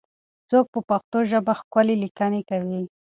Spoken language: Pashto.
څوک په پښتو ژبه ښکلې لیکنې کوي؟